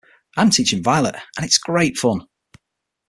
I'm teaching Violet, and it's great fun!